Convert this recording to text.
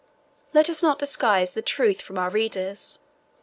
Let us not disguise the truth from our readers.